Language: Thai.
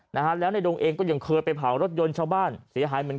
นะฮะแล้วในดงเองก็ยังเคยไปเผารถยนต์ชาวบ้านเสียหายเหมือน